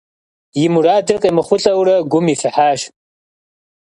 И мурадыр къемыхъулӏэурэ, гум ифыхьащ.